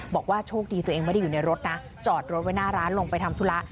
บอกว่าโชคดีตัวเองไม่ได้อยู่ในรถนะจอดรถไว้หน้าร้านลงไปทำธุระ